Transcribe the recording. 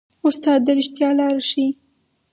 استاد د ریښتیا لاره ښيي.